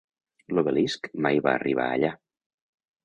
L'obelisc mai va arribar allà.